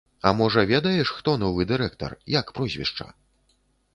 А можа, ведаеш, хто новы дырэктар, як прозвішча?